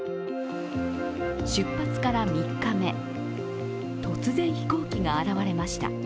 出発から３日目、突然飛行機が現れました。